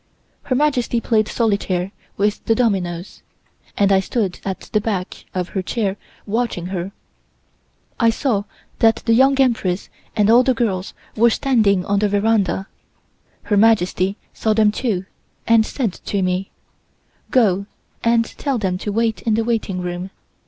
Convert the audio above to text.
Her Majesty played solitaire with the dominoes, and I stood at the back of her chair watching her. I saw that the Young Empress and all the girls were standing on the veranda. Her Majesty saw them, too, and said to me: "Go and tell them to wait in the waiting room.